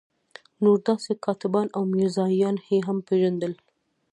نور داسې کاتبان او میرزایان یې هم پېژندل.